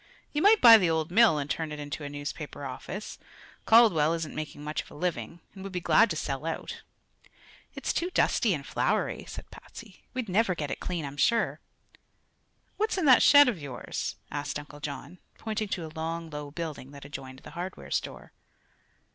"You might buy the old mill and turn it into a newspaper office. Caldwell isn't making much of a living and would be glad to sell out." "It's too dusty and floury," said Patsy. "We'd never get it clean, I'm sure." "What's in that shed of yours?" asked Uncle John, pointing to a long, low building' that adjoined the hardware store.